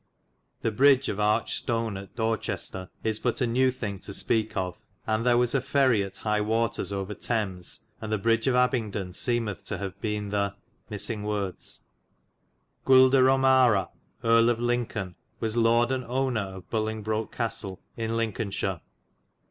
The bridge of archid stone at Dorchestar is but a new thinge to speke of, and there was a ferrey at highe watars over Tames, and the bridge of Abingdon semithe to have bene the ... Gul. de Romara, Erie of Lincolne, was lord and ownar of Bullingbroke Castle in Lincolneshire.